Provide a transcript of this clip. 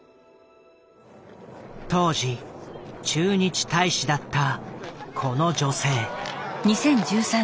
当時駐日大使だったこの女性。